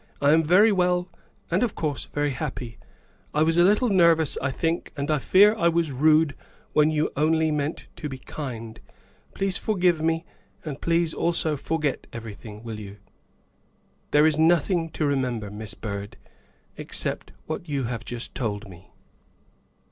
I am very well, and, of course, very happy. I was a little nervous, I think, and I fear I was rude when you only meant to be kind ; please forgive me. And please also forget everything, will you ?'' THE SECRETARY OF STATE 105 " There is nothing to remember, Miss Byrd, except what you have just told me."